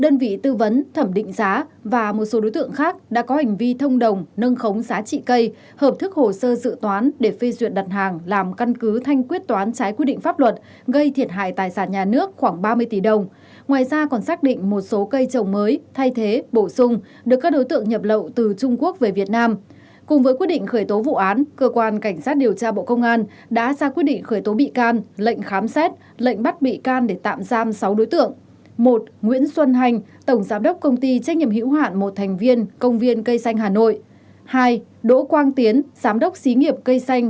năm nguyễn tuấn nghĩa giám đốc công ty trách nhiệm hữu hạn xanh hòa lạc và công ty trách nhiệm hữu hạn phát triển vì nhân dân